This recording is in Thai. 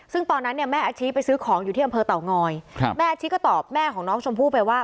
ซึ่งตอนนั้นเนี่ยแม่อาชีพไปซื้อของอยู่ที่อำเภอเต่างอยแม่อาชิก็ตอบแม่ของน้องชมพู่ไปว่า